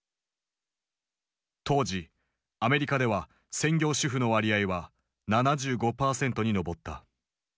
当時アメリカでは専業主婦の割合は７５％に上った。